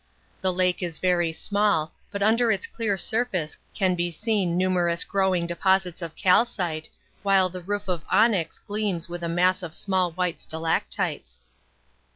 The Lake is very small, but under its clear surface can be seen numerous growing deposits of calcite, while the roof of onyx gleams with a mass of small white stalactites.